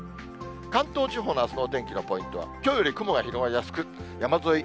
関東地方のあすのお天気のポイントはきょうより雲が広がりやすく、山沿い、